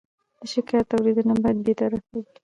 د شکایت اورېدنه باید بېطرفه وي.